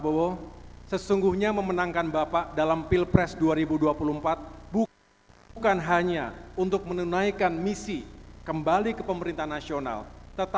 pada kesempatan yang baik ini saya juga perlu menyampaikan kepada seluruh kader partai demokrat